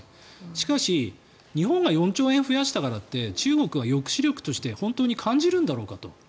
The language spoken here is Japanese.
しかし、日本が４兆円増やしたからといって中国は抑止力として本当に感じるんだろうかと。